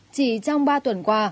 chỉ trong ba tuần qua